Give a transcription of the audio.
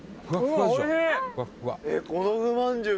「えっこのふまんじゅう